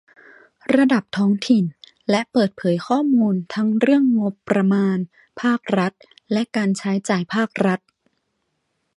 ระดับท้องถิ่น และเปิดเผยข้อมูลทั้งเรื่องงบประมาณภาครัฐ และ การใช้จ่ายภาครัฐ